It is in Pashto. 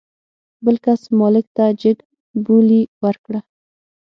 بل کس مالک ته جګ بولي ورکړه.